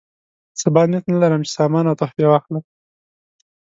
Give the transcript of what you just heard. سبا نیت لرم چې سامان او تحفې واخلم.